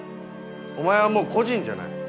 お前はもう個人じゃない。